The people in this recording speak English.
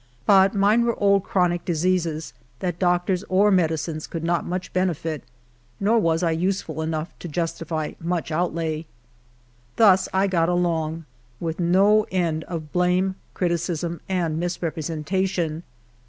But mine were old chronic diseases that doctors or medicines could not much beneiit, nor was I useful enough to iustity much outlay. Thus I got along, with no end of blame, criticism, and misrepresentation.